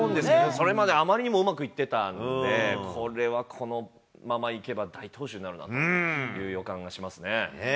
それまであまりにもうまくいってたんで、これはこのままいけば大投手になるなという予感がしますね。